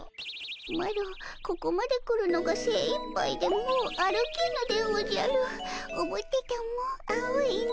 マロここまで来るのがせいいっぱいでもう歩けぬでおじゃる。おぶってたも青いの。